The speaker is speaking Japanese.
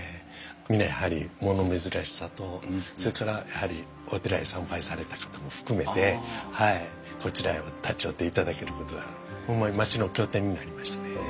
みんなやはり物珍しさとそれからやはりお寺へ参拝された方も含めてこちらへ立ち寄っていただけることはホンマに町の拠点になりましたね。